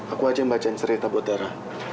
aku aja yang bacain cerita buat dara